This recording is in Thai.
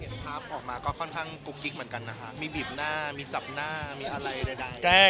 ภาพออกมาก็ค่อนข้างกุ๊กกิ๊กเหมือนกันนะคะมีบีบหน้ามีจับหน้ามีอะไรใด